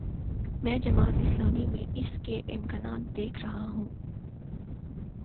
میں جماعت اسلامی میں اس کے امکانات دیکھ رہا ہوں۔